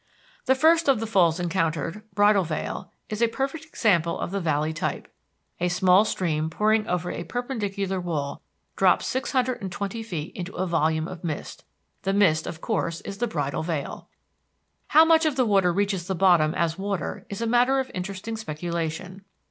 The first of the falls encountered, Bridal Veil, is a perfect example of the valley type. A small stream pouring over a perpendicular wall drops six hundred and twenty feet into a volume of mist. The mist, of course, is the bridal veil. How much of the water reaches the bottom as water is a matter of interesting speculation.